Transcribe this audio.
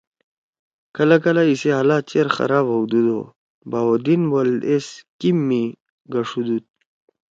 کلہ کلہ ایِسی حالات چیر خراب ہؤدُود او بہاءالدین ولد ایس کِیم می گشُودُود۔